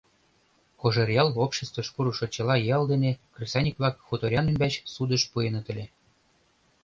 Кожеръял обществыш пурышо чыла ял дене кресаньык-влак хуторян ӱмбач судыш пуэныт ыле.